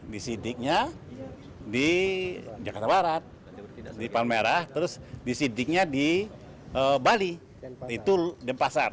di sidiknya di jakarta barat di palmerah terus di sidiknya di bali di tul di pasar